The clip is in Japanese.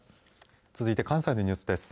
続いて関西のニュースです。